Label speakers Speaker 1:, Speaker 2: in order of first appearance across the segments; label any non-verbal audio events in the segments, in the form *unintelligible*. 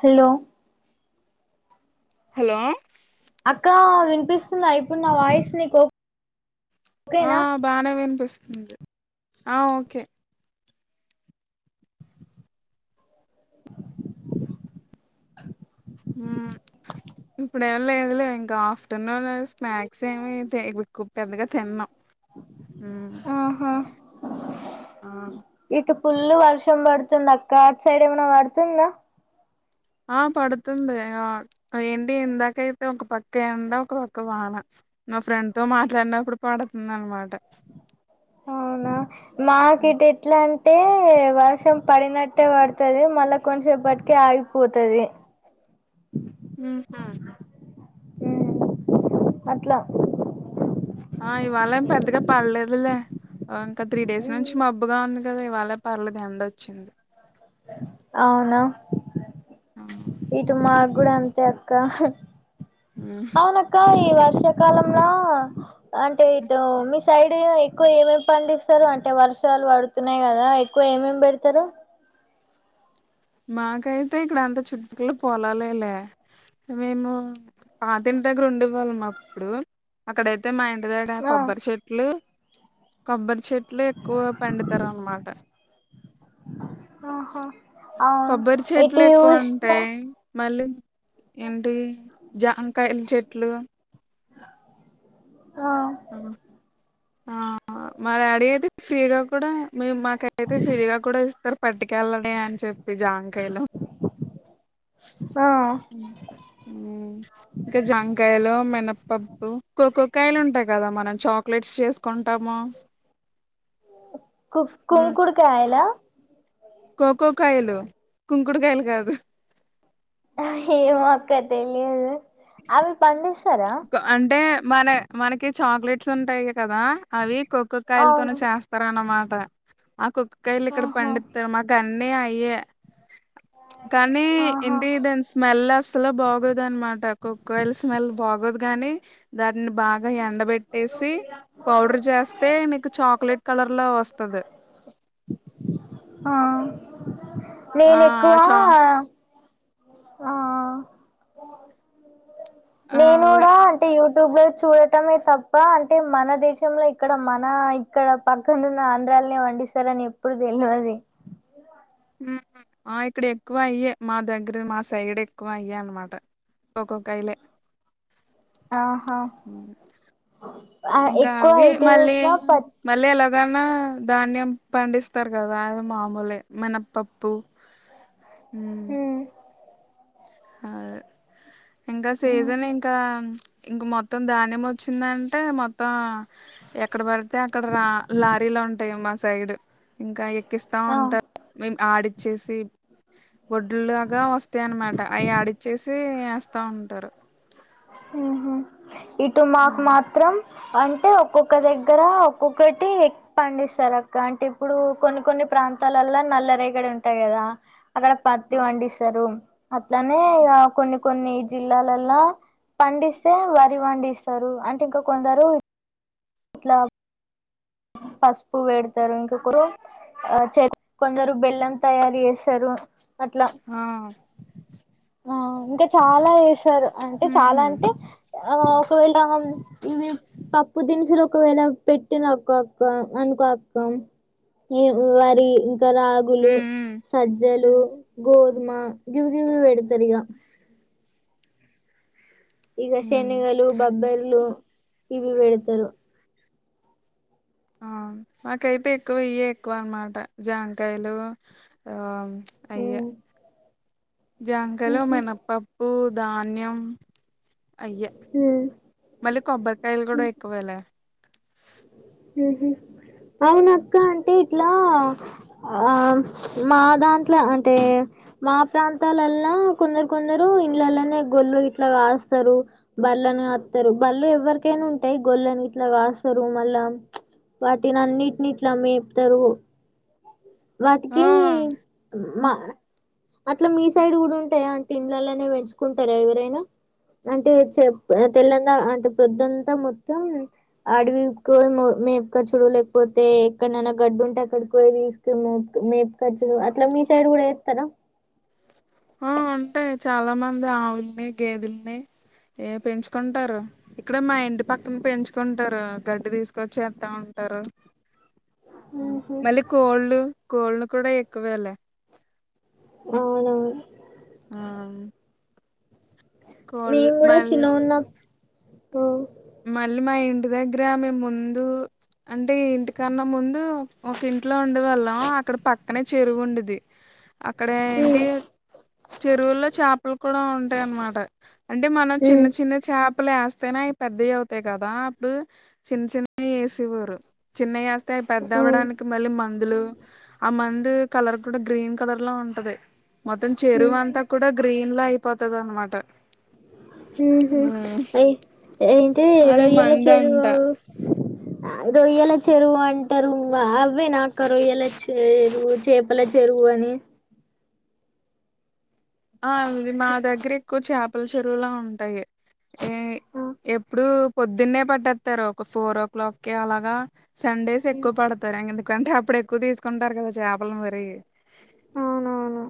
Speaker 1: Hello
Speaker 2: hello
Speaker 1: అక్కా వినిపిస్తుందా ఇప్పుడు నా వాయిస్ నీకు?
Speaker 2: ఆ
Speaker 1: ఓకేనా
Speaker 2: బానే వినిపిస్తుంది, ఆ ఓకే. ఉ ఇప్పుడేం లేదులే ఇంకా ఆఫ్టర్నూన్ అది స్నాక్స్ ఏమి తి కు పెద్దగా తిన్నూ.
Speaker 1: ఆహా
Speaker 2: ఆ
Speaker 1: ఇటు పుల్లు వర్షం పడుతుంది అక్క అటు సైడ్ ఏమన్నా పడుతుందా.
Speaker 2: ఆ పడుతుంది ఏంటి ఇందాకైతే ఒక పక్క ఎండా, ఒక పక్క వాన. నా ఫ్రెండ్ తో మాట్లాడినప్పుడు పడుతుందనమాట.
Speaker 1: అవునా మాకు ఇటు ఎట్లా అం అంటే వర్షం పడినట్టే పడుతది మళ్ళా కొంచసేపటికే ఆగిపోతది.
Speaker 2: ఉహా
Speaker 1: అట్లా
Speaker 2: ఆ ఇవాళ ఏం పెద్దగా పడ్లేదులే ఇంకా త్రీ డేస్ నుంచి మబ్ బ్బుగా ఉంది కదా ఇవాళ పర్లేదు ఎండోచ్చింది.
Speaker 1: అవునా ఇటు మా కూడా అంతే అక్క ఉహ్ అవున క్కా ఈ వర్షాకాలంలా అంటే ఇటు మీ సైడ్ ఎక్కువ ఏమేమి పండిస్తరు అంటే వర్షాలు పడు తున్నయి కదా ఎక్కువ ఏమేమ్ పెడతరు.
Speaker 2: మాకైతే ఇక్కడ అంత చుట్టుపక్కల అంతా పోలాలే లే. మేము పాతింటి దగ్గర ఉండే వాళ్ళం అప్పుడు, అక్కడైతే మా ఇంటి దగ్గరా
Speaker 1: ఆ
Speaker 2: కొబ్బరి చెట్లు కొబ్బరి చెట్లు ఎక్కువ పండిత్తరు అన్మాటా.
Speaker 1: ఆహా అవును
Speaker 2: కొబ్బరి చెట్లు
Speaker 1: ఏటు
Speaker 2: ఎక్కువ
Speaker 1: చూశినా
Speaker 2: ఉంటాయి మళ్ళీ ఏంటి జామకాయల చెట్లు
Speaker 1: ఆ
Speaker 2: ఆ మా డాడీ అయితే ఫ్రీగా కూడా మీము మాకైతే ఫ్రీగా కూడా ఇస్తారు పట్టుకెళ్ళవే అని చెప్పి జాంకాయలు
Speaker 1: ఆ
Speaker 2: మ్మ్ ఉనా ఇంకా జాంకాయలు మినపప్పు కోకోకాయలు ఉంటాయి కదా మనం చాక్లెట్స్ చేసుకుంటాము
Speaker 1: కు
Speaker 2: ఉమ్,
Speaker 1: కుంకుడుకాయలా
Speaker 2: కోకో కాయలు కుంకుడుకాయలుకాదు
Speaker 1: ఏమో అక్క తెలిదు అవి పండిస్తారా
Speaker 2: అంటే మన మనకి చాక్లెట్స్ ఉంటాయి కదా అవి కోక్కో కాయలతోనే
Speaker 1: అవును
Speaker 2: చేస్తా అనమాట ఆ కొక్కొకాయలు ఇక్కడ
Speaker 1: ఆహా
Speaker 2: పండితే మాకు అన్నీ అయే కానీ
Speaker 1: ఆహా
Speaker 2: ఇండిడేన్స్ స్మెల్ అసలు బాగోదు అనమాట కొక్కో కాయలూ స్మెల్ బాగోదు గాని దాని బాగా ఎండబెట్టేసి పౌడర్ చేస్తే నీకు చాక్లెట్ కలర్ లో వస్తాది
Speaker 1: హ
Speaker 2: ఆ
Speaker 1: నేను ఎక్కువ
Speaker 2: చా
Speaker 1: ఆ
Speaker 2: ఆ
Speaker 1: నేను
Speaker 2: అదే
Speaker 1: కూడా అంటే యూట్యూబ్ లో చూడటమే తప్ప అంటే మన దేశంలో ఇక్కడ మన ఇక్కడ పక్కనున్న ఆంధ్రాలొని పండిస్తారని ఎప్పుడు తెలివది
Speaker 2: ఆ ఇక్కడ ఎక్కువ అయ్యే మా దగ్గర మా సైడ్ ఎక్కువ అయ్యే అనమాట కోకో కాయలే
Speaker 1: ఆహా
Speaker 2: ఇంకా
Speaker 1: ఎక్కువ
Speaker 2: అవి
Speaker 1: ఎటు
Speaker 2: మళ్ళీ
Speaker 1: చూసినా ప
Speaker 2: మళ్ళీ ఎలాగన్నా ధాన్యం పండిస్తారు కదా అది మామూలే మినపప్పు ఉను
Speaker 1: ఉమ్
Speaker 2: అదే ఇంగా సీజన్ ఇంకా ఇంక మొత్తం ధాన్యం వచ్చిందంటే మొత్తం ఎక్కడ పడితే అక్కడ రా లారీలు ఉంటాయి మా సైడ్ ఇంకా ఎక్కిస్తా
Speaker 1: ఆ
Speaker 2: ఉంటారు మేము ఆడిచ్చేసి వొడ్లుల్లాగా వస్తాయి అనమాట అయి ఆడిచ్చేసి యేస్తా ఉంటారు
Speaker 1: ఇటు మాకు
Speaker 2: ఉమ్.
Speaker 1: మాత్రం అంటే ఒక్కొక్క దగ్గర ఒక్కొక్కటి పండిస్తారు అక్క అంటే ఇప్పుడు కొన్ని కొన్ని ప్రాంతాలల్లా నల్ల రేగడి ఉంటాయి కదా అక్కడ పత్తి పండిస్తారు అట్లానే ఇగ కొన్ని కొన్ని జిల్లాలలో లా పండిస్తే వరి పండిస్తారు అంటే ఇంకా కొందరు ఇట్లామ్ పసుపు పెడతారు ఇంకొకరు ఆ చెరకు కొందరు బెల్లం తయారు చేస్తారు అట్లా
Speaker 2: ఆ
Speaker 1: ఆ ఇంకా చాలా వేస్తారు అంటే
Speaker 2: మ్
Speaker 1: చాలా
Speaker 2: హు
Speaker 1: అంటే ఆ ఒకవేళ ఇవి పప్పు దినుసులు ఒకవేళ పెట్టినామ్ కోక్కో అనుకో అక్క ఈ వరి ఇంకా రాగులు
Speaker 2: మ్
Speaker 1: సజ్జలు గోధుమ గివిగివి పెడతారు ఇగ ఇవే
Speaker 2: మ్ మ్
Speaker 1: శెనిగలు బబ్బెర్లు ఇవి పెడతారు
Speaker 2: ఆ మాకైతే ఎక్కువే ఇయే ఎక్కువ అన్నమాట జాంకాయలు ఆ అయ్యె
Speaker 1: ఉమ్
Speaker 2: జామకాయలు మినపప్పు ధాన్యం అయ్యె
Speaker 1: ఉమ్
Speaker 2: మళ్ళీ కొబ్బరికాయలు కూడా ఎక్కువేలే
Speaker 1: ఉహు అవునక్క అంటే ఇట్లా ఆ మా దాంట్లో అంటే మా ప్రాంతాలల్ల కొందరు కొందరు ఇండ్లల్లానే గొర్లుగిట్ల కాస్తారు బర్లని కత్తారు బర్లు ఎవరికైనా ఉంటాయి గొర్లనిగిట్ల కాస్తారు మళ్ళా వాటినన్నింటినీట్లా మేపుతరు
Speaker 2: ఆ
Speaker 1: వాటికి మా అట్లా మీ సైడ్ కూడా ఉంటాయా అంటే ఇండ్లల్లానే పెంచుకుంటారా ఎవరైనా అంటే చె తెల్లందా అంటే ప్రొద్దంతా మొత్తం అడవికోయి మేప్క్కచూడు లేకపోతే ఎక్కడన్నా గడ్డి ఉంటే అక్కడి పోయ తీస్ మోప్ మేప్క్చుడు అట్లా మీ సైడ్ కూడా ఏత్తర
Speaker 2: ఆ ఉంటాయి చాలా మంది అవులున్నయి గేదేలున్నాయి ఏ పెంచుకుంటారు ఇక్కడ మా ఇంటి పక్కన పెంచుకుంటారు గడ్డి తీసుకొచ్చి ఎత్తా ఉంటారు
Speaker 1: ఊహు.
Speaker 2: మళ్ళీ కోళ్ళు కోళ్ళు కూడా ఎక్కువేలే
Speaker 1: అవునవును
Speaker 2: ఆ కోళ్ళు
Speaker 1: మేము కూడా
Speaker 2: మల్
Speaker 1: చిన్నగున్న ఆ
Speaker 2: మళ్ళీ మా ఇంటి దగ్గర మేం ముందు అంటే ఈ ఇంటి కన్నా ముందు ఒక ఇంట్లో ఉండే వాళ్ళం అక్కడ పక్కనే చెరువు ఉండేది అక్కడ ఏంటి చెరువుల్లో చేపలు కూడా ఉంటాయన్నమాట అంటే మనం చిన్న చిన్న చేపలు వేస్తేనే అయి పెద్దయి అవుతాయి కదా అప్పుడు చిన్న చిన్నవి వేసేవారు చిన్నవి వేస్తే అవి పెద్ద అవ్వడానికి కి మళ్ళీ మందులు ఆ మందు కలర్ కూడా గ్రీన్ కలర్ లో ఉంటది మొత్తం
Speaker 1: ఉమ్,
Speaker 2: చెరువు అంతా కూడా గ్రీన్ లో అయిపోతది అనమాట
Speaker 1: ఉహు ఐ ఏంటి
Speaker 2: అది
Speaker 1: రొయ్యలా చేరువు
Speaker 2: మందంట
Speaker 1: రొయ్యల చెరువు అంటారు అవ్వేనా అక్కా రొయ్యేల చెరువు చెప్ పలా చెరువు అని
Speaker 2: ఆ ఉంది మా దగ్గర ఎక్కువ చేపల చెరువులే ఉంటాయి ఏ ఎప్పుడు పొద్దున్నే పట్టెత్తారు ఒక ఫోర్ ఓ క్లాక్ కి అలాగా సండేస్ ఎక్కువ పడతారు ఎందుకంటే అప్పుడు ఎక్కువ తీసుకుంటారు కదా చేపలు మరి
Speaker 1: అవునవును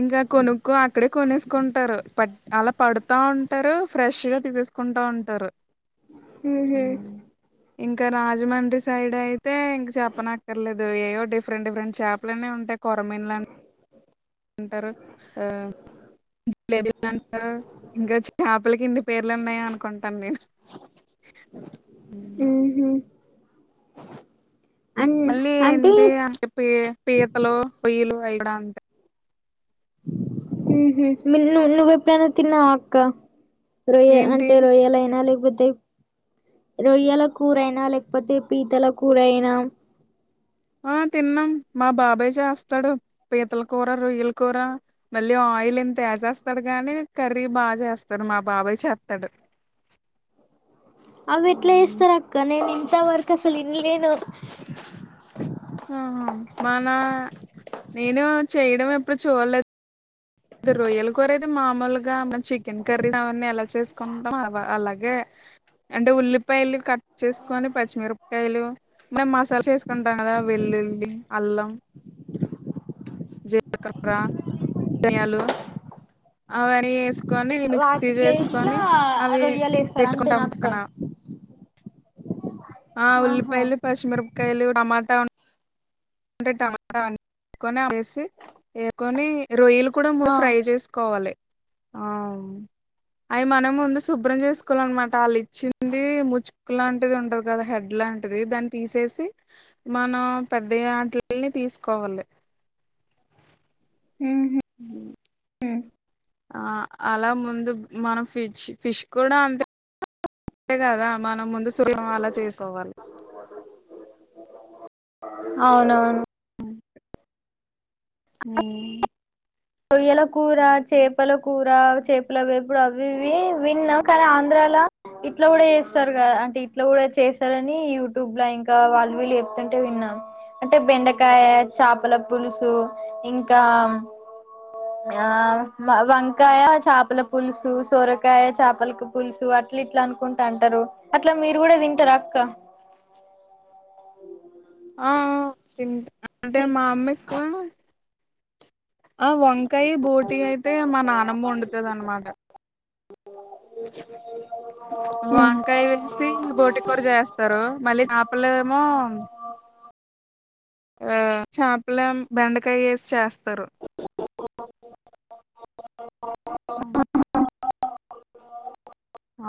Speaker 2: ఇంకా కొనుక్కో అక్కడే కొనేసుకుంటారు పట్ అలా పడుతా ఉంటారు ఫ్రెష్ గా తీసేసుకుంటా ఉంటారు
Speaker 1: ఉహు
Speaker 2: ఉ ఇంకా రాజమండ్రి సైడ్ అయితే ఇంక చెప్పనక్కర్లేదు ఏయో డిఫరెంట్ డిఫరెంట్ చేపలన్నీ ఉంటాయి కోరమేన్ లాం అంటరు ఆ ఇంకేమంటారు ఇంకా చాపలకి ఇన్ని పేర్లు ఉన్నాయా అనుకుంటాను నేను హ
Speaker 1: ఉహు అన్
Speaker 2: మళ్ళీ
Speaker 1: అంటే
Speaker 2: ఏంటి అం చెప్పి పీతలు రోయ్యలు అయి గూడా ఉంటాయి
Speaker 1: ఉహు మీ మీది నువ్వు ఎప్పుడైన తిన్నావా అక్కా రొయ్య
Speaker 2: ఏంటి
Speaker 1: అంటే రొయ్యలయినా లేకపోతే రొయ్యాల కూరైనా లేకపోతే పీతల కూరైనా
Speaker 2: ఆ తిన్నాం మా బాబాయ్ జేస్తాడు పీతల కూర రొయ్యల కూర మళ్ళీ ఆయిల్ ఇంత ఏసేస్తాడు గాని కర్రీ బా చేస్తాడు మా బాబాయ్ చెత్తాడు క
Speaker 1: అవి ఎట్లా చేస్తార్ అక్క నేను ఇంతవరకు అసల్ ఇన్లేదు.
Speaker 2: ఆహ మనా నేను చేయడం ఎప్పుడు చూడలేదు. రొయ్యల కూర ఐతే మామూలుగా మన చికెన్ కర్రీ అవన్నీ ఎలా చేసుకుంటాం అలాగే. అంటే ఉల్లిపాయలు కట్. చేసుకొని పచ్చిమిరపకాయలు. మనం మసాలా చేసుకుంటాం కదా వెల్లుల్లి అల్లం. జిలకర ధనియాలు. అవన్ని వేసుకొని మిక్సీ
Speaker 1: వాటి ప్లేస్ లా
Speaker 2: చేేసుకొని అవి
Speaker 1: రొయ్యలేస్తారు అంతేనా
Speaker 2: పెట్టుకుంటాం
Speaker 1: అక్క
Speaker 2: పక్కన. ఆ
Speaker 1: ఆహా
Speaker 2: ఉల్లిపాయాలు పచ్చిమిర. పకాయలు, టమాటాఉంటే ఆ టమాటా పేస్ట్. ఏసుకొని రొయ్యలు కూడా ముందు
Speaker 1: ఆ
Speaker 2: ఫ్రై చేసుకోవాలి. ఆ అయి మనం ముందు శుభ్రం చేసుకోవాలన్న మాట. వాళ్ళు ఇచ్చింది ముచ్చి. ముక్కు లాంటిది ఉంటది కదా హెడ్ లాంటిది దాన్ని తీసేసి. మనం పెద్ద యాటల్ని తీసుకోవాలి.
Speaker 1: ఉహు.
Speaker 2: ఉ ఆ అలా ముందు మనం ఫిష్ ఫిష్ కూడా అంతే. అంతే కదా మనం ముందు సూర్యం అలా చేసుకోవాలి.
Speaker 1: అవునవును.
Speaker 2: హుమ్.
Speaker 1: రొయ్యల కూర, చేపల కూర చేపల వేపుడు అవి ఇవి విన్న కానీ ఆంధ్రలో. ఇట్లా కూడా చేస్తారు కదా. అంటే ఇట్లా కూడా చేస్తారని యూట్యూబ్ లో ఇంకా వాళ్ళు వీళ్ళు చెప్తుంటే విన్నా. అంటే బెండకాయ, చేపల పులుసు ఇంకా. ఆ వంకాయ చాపల పులుసు. పులుసు, సోరకాయ చాపలకి పులుసు, అట్లా ఇట్లా అనుకుంటా అంటరు. అట్లా మీరు కూడా తింటర అక్క.
Speaker 2: ఆ అంటే మా అమ్మ ఎక్కువ ఆ వంకాయ బోటి అయితే మా నానమ్మ వండుతది అన్నమాట.
Speaker 1: అ
Speaker 2: వంకాయ వేసి బోటి కూర చేస్తారు. మళ్ళీ చాప లేమో. ఆ చాపల బెండకాయ ఏసి చేస్తారు.
Speaker 1: ఆ
Speaker 2: ఆ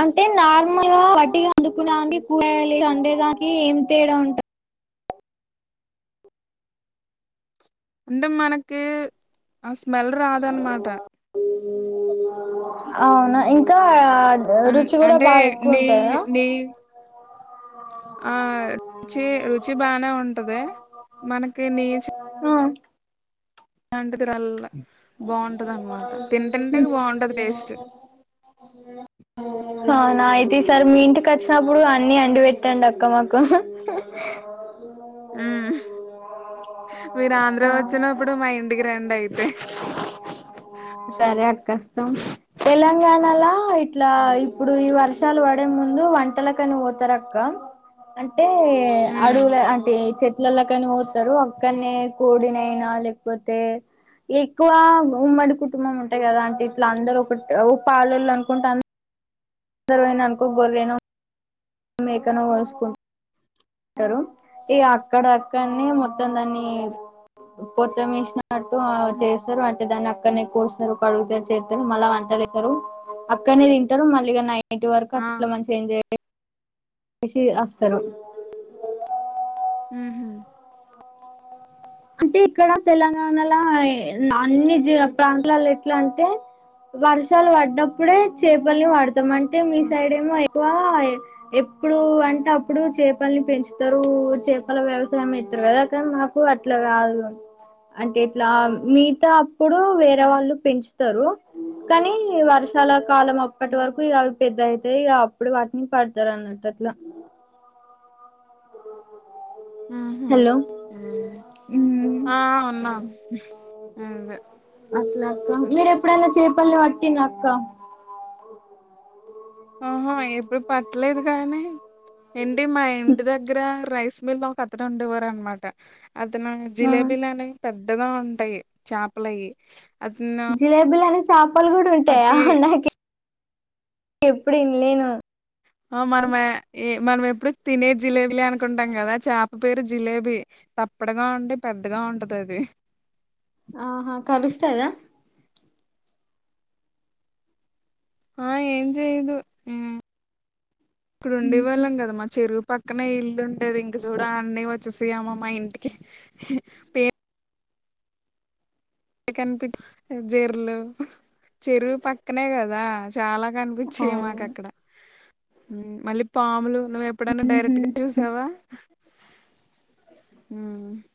Speaker 1: అంటే నార్మల్ గా వట్టిగా అండుకునేవాటికి కూరగాయలుగా అండుకునే దానికి ఏం తేడా ఉంటది.
Speaker 2: అంటే మనకి ఆ స్మెల్ రాదన్నమాట.
Speaker 1: అవునా ఇంకా.
Speaker 2: అం
Speaker 1: రుచి కూడా
Speaker 2: అంటే
Speaker 1: బాగా ఎక్కువ
Speaker 2: నీ
Speaker 1: ఉంటదా.
Speaker 2: నీ ఆ రుచి. రుచి బానే ఉంటది మనకి నీచు.
Speaker 1: ఆ
Speaker 2: ఇలాంటిది రాల బాగుంటది అనమాట తింటంటే బాఉంటది టేస్ట్.
Speaker 1: ఔ అవునా అయితే ఈ సారి మీ ఇంటికి వచ్చినప్పుడు. అన్ని అండి పెట్టండి అక్క మాకు. అలాహ్
Speaker 2: ఉ మీరు ఆంధ్ర
Speaker 1: ఆ
Speaker 2: వచ్చినప్పుడు. మా ఇంటికి రెండి అయితే.
Speaker 1: సరే అక్క అస్తం తెలంగాణలా ఇట్లా. ఇప్పుడు ఈ వర్షాలు పడే ముందు వంటలకని పోతారు ఆక్క అంటే టె
Speaker 2: ఉమ్
Speaker 1: అడవుల అంటే చెట్ ఇట్లలా కాని పోతారు అక్కనే కోడినైనా లేకపోతే ఎక్కువ ఉమ్మడి కుటుంబం ఉంటాయి కదా అంటే ఇట్లా అందరుూ ఒక పాలు అనుకుంటే దరూ పోయిరు అనుకో గోరినో మేకన కోసుకో తరు ఈ అక్కడ అక్కనే మొత్తం దాన్ని పొత్తమేసిన న్నట్టు చేస్తారు అంటే దాన్ని అక్కడనే కోస్తారు కడుగుతారు చేస్తారు మళ్ళా వంటలేస్తారు అక్కనే తినటారు మళ్ళీగా నైట్ వరకు
Speaker 2: ఆ
Speaker 1: అట్లా మంచిగా ఎంజాయ్ చేసి వస్తారు
Speaker 2: ఊహూ
Speaker 1: అంటే ఇక్కడ తెలంగాణలో అన్ని జ ప్రాంతల్లో ఎట్లా అంటే వర్షాలు పడ్నప్పుడే చేపల్ని వాడతాం అంటే మీ సైడ్ ఏమో ఎక్కువ ఎప్పుడు అంటే అప్పుడు చేపలని పెంచుతారు చేపల వ్యవసాయం ఏతారు కదా కానీ మాకు ఇట్లా కాదు అంటే ఇట్లా మీతా అప్పుడు వేరే
Speaker 2: ఉహు
Speaker 1: వాళ్ళు పెంచుతారు కానీ వర్షాల కాలం అప్పటి వరకు ఇవి పెద్ద అయితే అప్పుడు వాటిని పడతారు అన్నట్టు అట్లా
Speaker 2: ఉహ్మ్మ్
Speaker 1: హలో
Speaker 2: ఆ అమ్మ *unintelligible*
Speaker 1: అట్లా అక్క మీరు ఎప్పుడైనా చేపల్ని పట్టిన అక్క
Speaker 2: ఆహా ఎప్పుడు పట్టలేదు కానీ ఏంటి మా ఇంటి దగ్గర రైస్ మిల్ లో ఒక అతను ఉండేవారు అనమాట అతను జిలేబీలు అనేవి పెద్దగా ఉంటాయి చేపలవి
Speaker 1: జిలేబీ అనే చేపలు కూడా ఉంటాయా
Speaker 2: పట్టి
Speaker 1: నాక ఎప్పుడు ఇనలేను
Speaker 2: ఆ మనమే మనం ఎప్పుడు తినే జిలేబీలే అనుకుంటాం కదా చేప పేరు జిలేబీ తప్పడుగా ఉండి పెద్దగా ఉంటది అది
Speaker 1: ఆహా కరుస్తదా
Speaker 2: ఆ ఏం చేయదు ఇప్పుడు
Speaker 1: ఉహు
Speaker 2: ఉండేవాళ్ళం కదా మా చెరువు పక్కనే ఇల్లు ఉండేది ఇంక చూడ అన్నీ వచ్చేసయమా మా ఇంటికి పే *unintelligible* జరు లు చెరువు పక్కనే కదా చాలా కనిపించేయి మాక
Speaker 1: అవునా
Speaker 2: అక్కడ మళ్ళీ పాములు నువ్ ఎప్పుడైనా డైరెక్ట్ గా చూసావా